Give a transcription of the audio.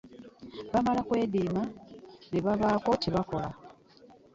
Baamala kwediima ne mubaako kye mukola.